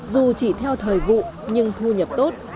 dù chỉ theo thời vụ nhưng thu nhập tốt